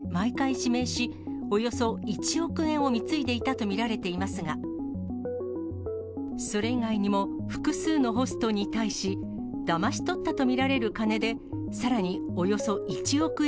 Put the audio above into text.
おととし３月ごろから田中容疑者を店で毎回指名し、およそ１億円を貢いでいたと見られていますが、それ以外にも複数のホストに対し、だまし取ったと見られる金で、さらにおよそ１億円